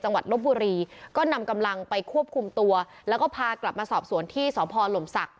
ลบบุรีก็นำกำลังไปควบคุมตัวแล้วก็พากลับมาสอบสวนที่สพหลมศักดิ